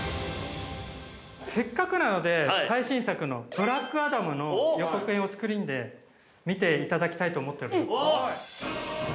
◆せっかくなので、最新作の「ブラックアダム」の予告編をスクリーンで見ていただきたいと思っているんです。